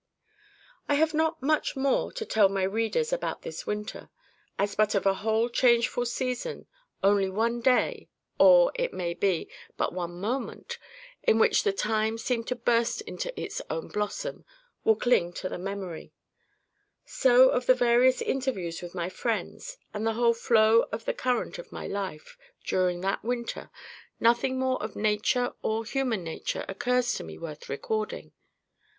I have not much more to tell my readers about this winter. As but of a whole changeful season only one day, or, it may be, but one moment in which the time seemed to burst into its own blossom, will cling to the memory; so of the various interviews with my friends, and the whole flow of the current of my life, during that winter, nothing more of nature or human nature occurs to me worth recording.